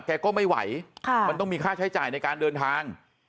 แกก็ไม่ไหวมันต้องมีค่าใช้จ่ายในการเดินทาง